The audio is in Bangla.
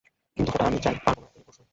কিন্তু ফোঁটা আমি চাই, ছাড়ব না, এই বসলুম।